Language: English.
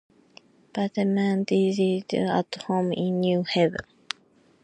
Bateman died at home in New Haven.